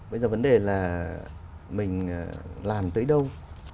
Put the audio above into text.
bây giờ vấn đề là mình làm tới đâu